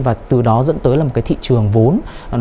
và từ đó dẫn tới là một cái thị trường vốn